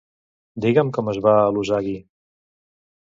Digue'm com es va a l'Usagui.